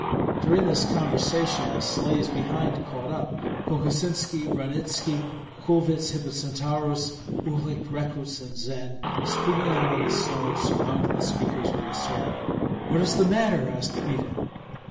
During this conversation the sleighs behind caught up; Kokosinski, Ranitski, Kulvyets Hippocentaurus, Uhlik, Rekuts, and Zend, springing out on the snow, surrounded the speakers with a circle. "What is the matter?" asked Kmita.